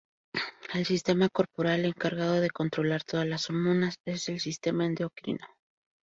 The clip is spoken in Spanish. El sistema corporal encargado de controlar todas las hormonas es el sistema endocrino.